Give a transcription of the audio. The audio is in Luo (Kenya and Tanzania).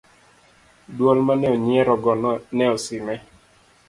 dwol mane onyierogo ne osine